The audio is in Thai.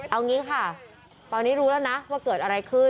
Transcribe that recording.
เอางี้ค่ะตอนนี้รู้แล้วนะว่าเกิดอะไรขึ้น